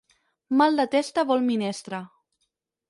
Mal de testa vol minestra.